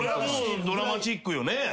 ドラマチックよね。